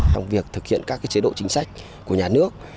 trong việc thực hiện các chế độ chính sách của nhà nước